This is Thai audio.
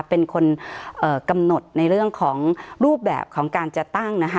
เป็นคนกำหนดในเรื่องของรูปแบบของการจะตั้งนะคะ